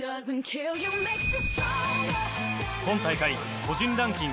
今大会、個人ランキング